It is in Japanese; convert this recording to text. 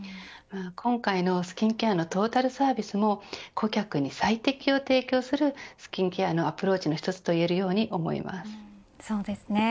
今回のスキンケアのトータルサービスも顧客に最適を提供するスキンケアのアプローチの一つといえるように思います。